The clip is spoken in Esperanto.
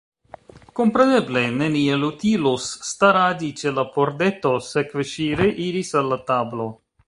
Kompreneble neniel utilus staradi ĉe la pordeto, sekve ŝi reiris al la tablo.